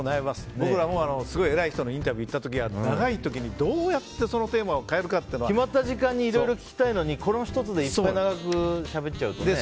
僕らもすごい偉い人のインタビュー行った時は長い時にどうやってそのテーマを決まった時間にいろいろ聞きたいのにこの１つでいっぱい長くしゃべっちゃうとね。